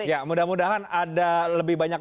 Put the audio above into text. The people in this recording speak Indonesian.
ya mudah mudahan ada lebih banyak